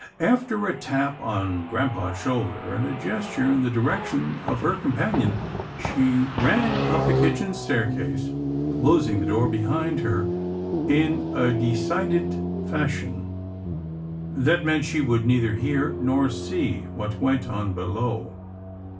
After a tap on grampa's shoulder, and a gesture in the direc tion of her companion, she ran up the kitchen stair case, closing the door behind her in a decided fashion, that meant she would neither hear nor see what went on below.